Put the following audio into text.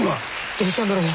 どうしたんだろう？